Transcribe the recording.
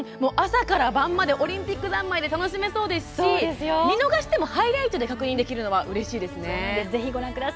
朝から晩までオリンピックざんまいで楽しめそうですし見逃してもハイライトで確認できるのはうれしいですね。